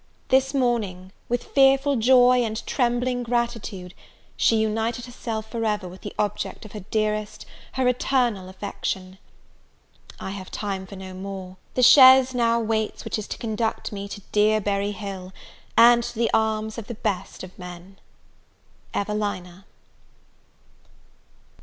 This morning, with fearful joy and trembling gratitude, she united herself for ever with the object of her dearest, her eternal affection. I have time for no more; the chaise now waits which is to conduct me to dear Berry Hill, and to the arms of the best of men. EVELINA.